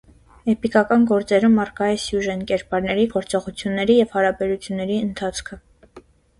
Էպիկական գործերում առկա է սյուժեն՝ կերպարների գործողությունների և հարաբերությունների ընթացքը։